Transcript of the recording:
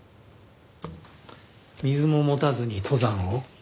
水も持たずに登山を？